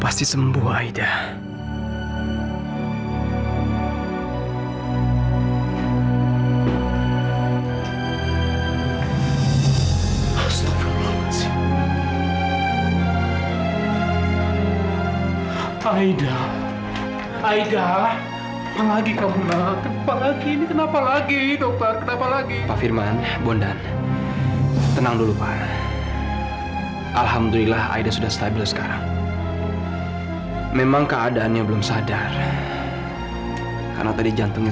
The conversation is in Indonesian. sampai jumpa di video selanjutnya